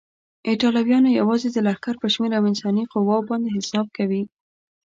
ایټالویان یوازې د لښکر پر شمېر او انساني قواوو باندې حساب کوي.